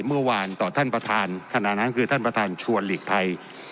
เมื่อวานต่อท่านประธานขณะนั้นคือท่านประธานชวนหลีกภัย